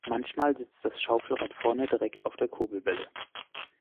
Manchmal sitzt das Schaufelrad vorne direkt auf der Kurbelwelle.